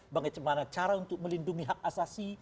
bagaimana cara untuk melindungi hak asasi